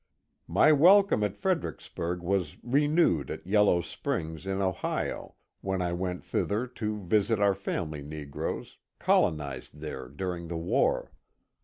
My welcome at Fredericksburg was renewed at Yellow Springs in Ohio, when I went thither to visit our family negroes, colonized there during the war.